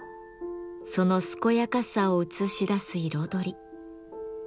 その健やかさをうつしだす彩り。